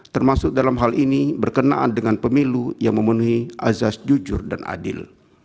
termasuk dalam hal ini berkenaan dengan pemilu yang memenuhi azas jujur dan adil